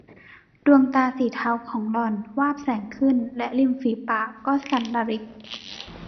ดวงตาสีเทาของหล่อนวาบแสงขึ้นและริมปีฝากก็สั่นระริก